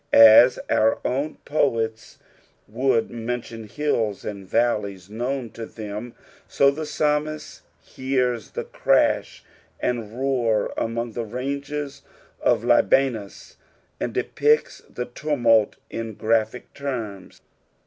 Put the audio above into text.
As our own poets would mention hills and valleys known to them, ao tbe Psalmist hears the crash and roar among the ranges of Libanus, and depicts the tumult in graphic terms.